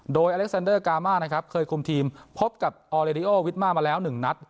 โดยอเล็กซันเดอร์กามานะครับเคยคุมทีมพบกับออเลดิโอวิทมาแล้ว๑นัด